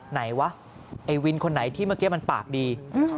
ไหนวะไอ้วินคนไหนที่เมื่อกี้มันปากดี